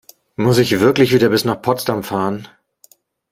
Muss ich wirklich wieder bis nach Potsdam fahren?